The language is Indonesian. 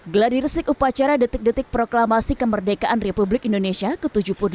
gladiresik upacara detik detik proklamasi kemerdekaan republik indonesia ke tujuh puluh delapan